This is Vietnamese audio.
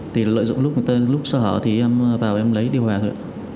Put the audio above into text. thì lợi dụng lúc sợ thì em vào em lấy điều hòa thôi